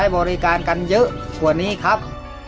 บริการกันเยอะกว่านี้ครับ